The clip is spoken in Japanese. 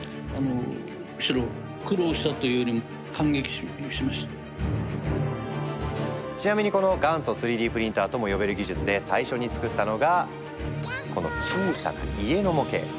そしたらちなみにこの「元祖３Ｄプリンター」とも呼べる技術で最初に作ったのがこの小さな家の模型。